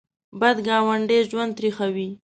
بد ګاونډی ژوند تریخوي